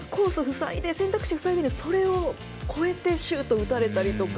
塞いで選択肢塞いでいるのにそれを越えてシュート打たれたりとか。